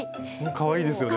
かわいいですよね。